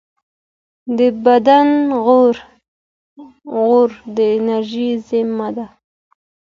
د بدن غوړ د انرژۍ زېرمه ده